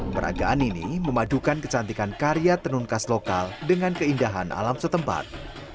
peragaan ini memadukan kecantikan karya tenun khas lokal dengan keindahan alam setempat